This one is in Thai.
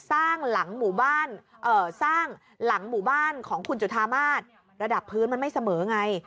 สร้างหลังหมู่บ้านของคุณจุธามาตรระดับพื้นมันไม่เสมอไง